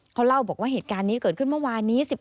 เขาเล่าบอกว่าเหตุการณ์นี้เกิดขึ้นเมื่อวานนี้